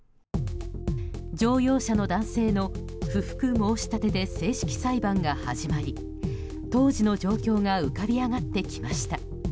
乗用車の男性の不服申し立てで正式裁判が始まり当時の状況が浮かび上がってきました。